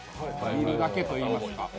見るだけといいますか。